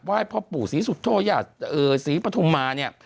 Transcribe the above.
ว่าให้พ่อปู่ศรีสุโทยาศรีปัฒโมมะนี่